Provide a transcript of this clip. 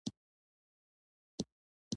ما د داسې کيسو د پيدا کولو لټه پيل کړه.